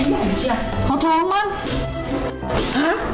สงสัยกินไม่ได้หรอกอ่ะท้องใหญ่มากเชียว